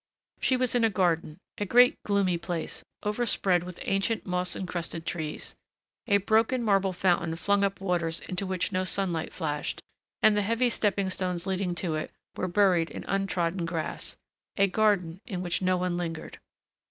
She was in a garden, a great gloomy place, over spread with ancient, moss encrusted trees. A broken, marble fountain flung up waters into which no sunlight flashed, and the heavy stepping stones, leading to it, were buried in untrodden grass. A garden in which no one lingered.